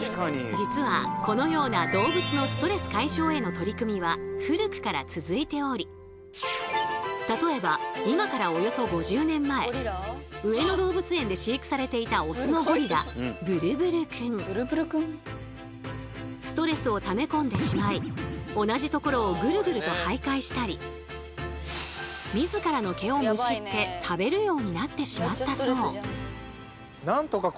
実はこのような動物のストレス解消への取り組みは古くから続いており例えば今からおよそ５０年前上野動物園で飼育されていたオスのゴリラストレスをため込んでしまい同じところをということで突然ですがここでさあカネオクイズでございます。